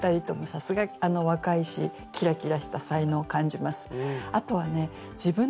さすが若いしキラキラした才能を感じます。